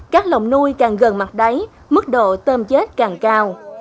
các lồng nuôi càng gần mặt đáy mức độ tôm chết càng cao